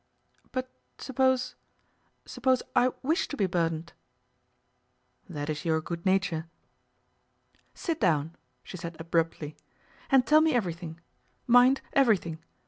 'But suppose suppose I wish to be burdened?' 'That is your good nature.' 'Sit down,' she said abruptly, 'and tell me everything; mind, everything.